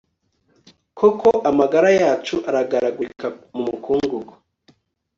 koko amagara yacu aragaragurika mu mukungugu